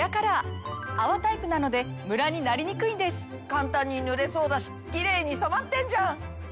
簡単に塗れそうだしキレイに染まってんじゃん！ねぇ